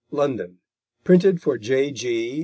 London: printed for J.G.